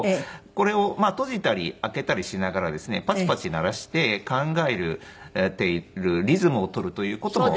これを閉じたり開けたりしながらですねパチパチ鳴らして考えているリズムを取るという事も。